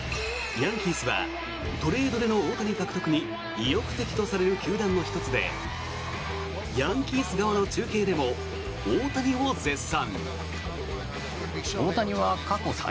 ヤンキースはトレードでの大谷獲得に意欲的とされる球団の１つでヤンキース側の中継でも大谷を絶賛。